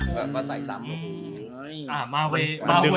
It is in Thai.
ก็ใส่๓๖นิดหนึ่ง